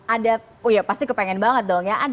ada oh ya pasti kepengen banget dong ya